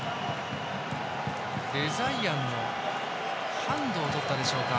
レザイアンのハンドをとったでしょうか。